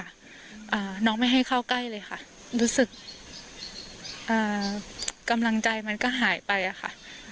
อ่าน้องไม่ให้เข้าใกล้เลยค่ะรู้สึกอ่ากำลังใจมันก็หายไปอ่ะค่ะ